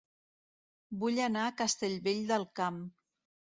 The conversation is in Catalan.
Vull anar a Castellvell del Camp